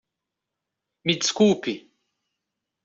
Me desculpe!